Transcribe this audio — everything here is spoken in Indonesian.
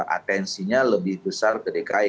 atensinya lebih besar ke dki